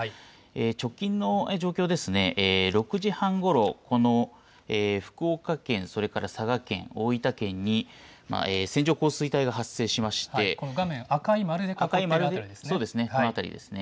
直近の状況ですね、６時半ごろ、この福岡県、それから佐賀県、大分県に、線状降水帯が発生しまし画面、そうですね、この辺りですね。